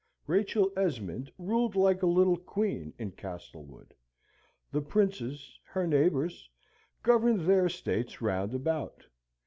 Rachel Esmond ruled like a little queen in Castlewood; the princes, her neighbours, governed their estates round about.